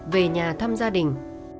về nhà thăm gia đình